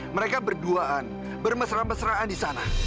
mereka berduaan bermesra mesraan di sana